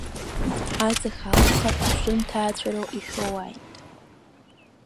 Аҵх алԥха шәшынҭаацәароу ишәоуааит!